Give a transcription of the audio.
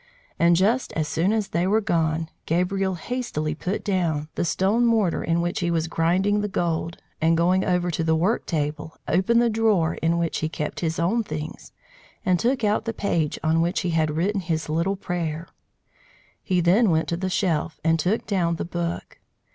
And just as soon as they were gone, Gabriel hastily put down the stone mortar in which he was grinding the gold, and, going over to the work table, opened the drawer in which he kept his own things, and took out the page on which he had written his little prayer. He then went to the shelf and took down the book.